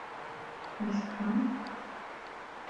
هل استحممتَ ؟